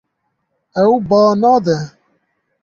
Ew ba nade.